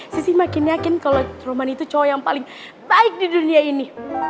sisi makin yakin kalau rumah itu cowok yang paling baik di dunia ini